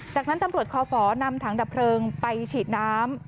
จากนั้นตำรวจคอฝนำถังดับเพลิงไปฉีดน้ำ